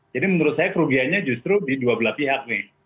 jadi menurut saya kerugiannya justru di dua belah pihak nih